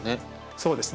そうですね。